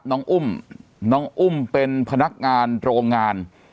น้องอุ้มน้องอุ้มเป็นพนักงานโรงงาน